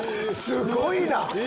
すごいな！